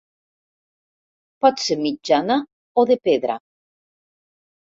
Pot ser mitjana o de pedra.